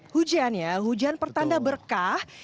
hujan ya hujan pertanda berkah